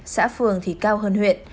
xã phường thì cao hơn huyện